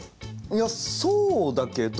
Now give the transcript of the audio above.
いやそうだけど。